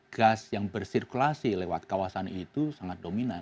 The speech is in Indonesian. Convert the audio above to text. karena gas yang bersirkulasi lewat kawasan ini sangat dominan